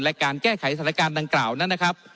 และการแก้ไขสถานการณ์ดังกล่าวนั้นนะครับ